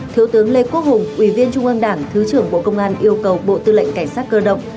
thiếu tướng lê quốc hùng ủy viên trung ương đảng thứ trưởng bộ công an yêu cầu bộ tư lệnh cảnh sát cơ động